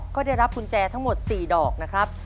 ก็ได้รับกุญแจทั้งหมด๔ดอกนะครับ